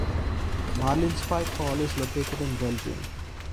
Marlinspike Hall is located in Belgium.